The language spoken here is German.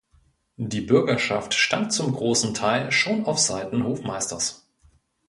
Die Bürgerschaft stand zum großen Teil schon auf Seiten Hofmeisters.